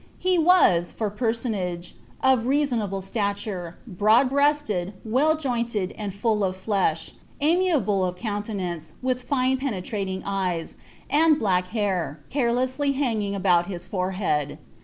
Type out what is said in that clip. « He was, for peraouage, of reasonable fUlnre, broad breasted, well jainled, and full of flesh, amiable of caunWoaiMe, with fine and penetrating eyes, and black hair, carelessly hanging sboil hia forehead."'